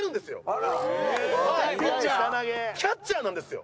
キャッチャーなんですよ。